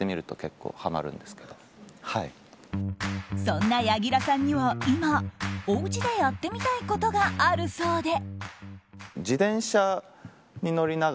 そんな柳楽さんには今おうちでやってみたいことがあるそうで。